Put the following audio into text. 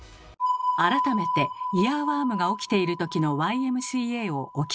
改めてイヤーワームが起きているときの「Ｙ．Ｍ．Ｃ．Ａ．」をお聞き下さい。